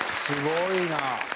すごいな。